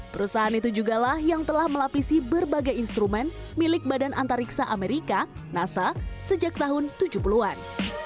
perusahaan itu juga lah yang telah melapisi berbagai instrumen milik badan antariksa amerika nasa sejak tahun tujuh puluh an